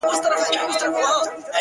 را ژوندی سوی يم! اساس يمه احساس يمه!